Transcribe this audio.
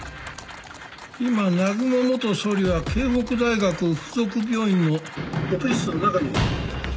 今南雲元総理は彗北大学附属病院のオペ室の中にいる。